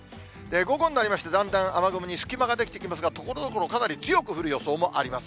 午後になりまして、だんだん雨雲に隙間が出来てきますが、ところどころ、かなり強く降る予想もあります。